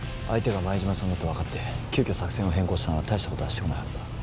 相手が舞島さんだと分かって急きょ作戦を変更したなら大したことはしてこないはずだ。